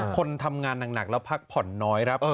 คนทำงานหนักแล้วพักผ่อนน้อยครับ